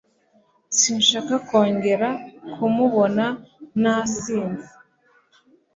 Sinshaka kongera kumubona na sinze.